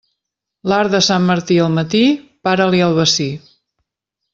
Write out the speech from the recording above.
L'arc de Sant Martí al matí, para-li el bací.